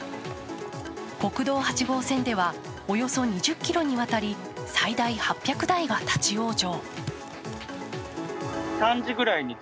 国道８号線ではおよそ２０ｋｍにわたり最大８００台が立往生。